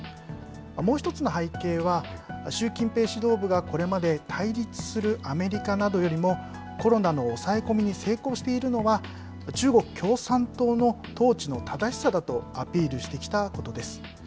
もう１つの背景は、習近平指導部がこれまで対立するアメリカなどよりも、コロナの抑え込みに成功しているのは、中国共産党の統治の正しさだとアピールしてきたことです。